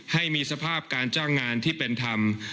ให้มีสภาพการจ้างงานที่เป็นธรรม